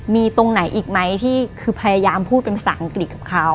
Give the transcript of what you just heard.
มีตรงไหนอีกไหมที่คือพยายามพูดเป็นภาษาอังกฤษกับเขา